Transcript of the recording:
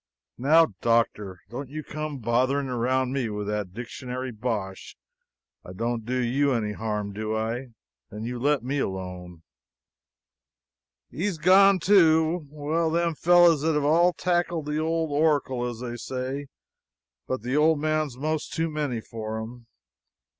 "Now, Doctor, don't you come bothering around me with that dictionary bosh. I don't do you any harm, do I? Then you let me alone." "He's gone, too. Well, them fellows have all tackled the old Oracle, as they say, but the old man's most too many for 'em.